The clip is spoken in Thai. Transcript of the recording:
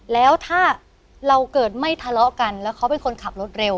แล้วถ้าเราเกิดไม่ทะเลาะกันแล้วเขาเป็นคนขับรถเร็ว